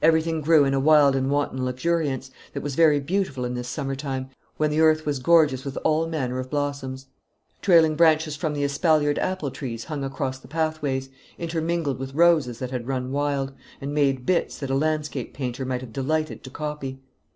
Everything grew in a wild and wanton luxuriance, that was very beautiful in this summer time, when the earth was gorgeous with all manner of blossoms. Trailing branches from the espaliered apple trees hung across the pathways, intermingled with roses that had run wild; and made "bits" that a landscape painter might have delighted to copy.